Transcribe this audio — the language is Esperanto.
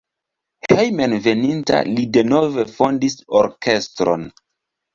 Hejmenveninta li denove fondis orkestron.